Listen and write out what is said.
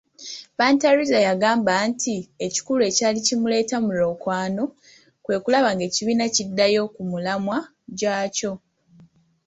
Bantariza yagamba nti ekikulu ekyali kimuleeta mu lwokaano kwekulaba nga ekibiina kiddayo kumiramwa gyaakyo.